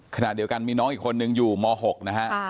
ขณะเดียวกันมีน้องอีกคนนึงอยู่ม๖นะฮะ